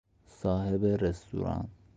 صاحب رستوران